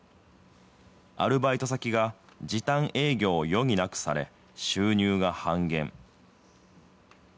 アルバイト先が時短営業を余儀なくされ、収入が半減。